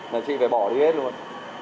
mà chị phải bỏ đi hết luôn